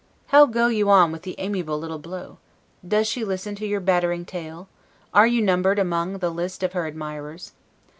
How go you on with the amiable little Blot? Does she listen to your Battering tale? Are you numbered among the list of her admirers?